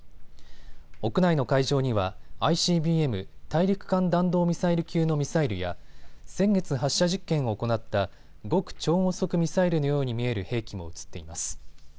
屋内の会場にはＩＣＢＭ・大陸間弾道ミサイル級のミサイルや先月、発射実験を行った極超音速ミサイルのように見える兵器も写っています。